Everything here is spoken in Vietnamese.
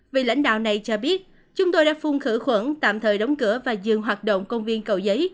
vị lãnh đạo này cho biết chúng tôi đã phun khử khuẩn tạm thời đóng cửa và dừng hoạt động công viên cầu giấy